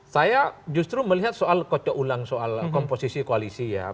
saya justru melihat soal kocok ulang soal komposisi koalisi ya